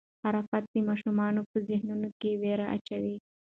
خرافات د ماشومانو په ذهنونو کې وېره اچوي.